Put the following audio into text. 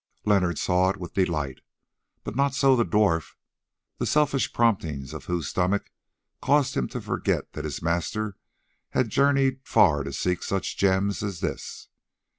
Leonard saw it with delight, but not so the dwarf, the selfish promptings of whose stomach caused him to forget that his master had journeyed far to seek such gems as this.